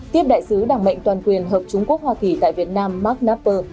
tiếp đại sứ đảng mệnh toàn quyền hợp trung quốc hoa kỳ tại việt nam mark nnapper